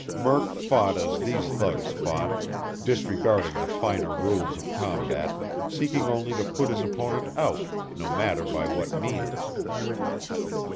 Murk fought as these thugs fought, disregarding the finer rules of combat, seeking only to put his opponent out, no matter by what means.